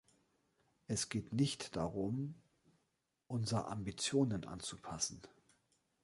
Es geht nicht darum, unser Ambitionen anzupassen.